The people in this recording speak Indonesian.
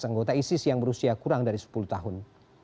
anggota isis yang berusia kurang dari sepuluh tahun